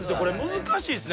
難しいですね。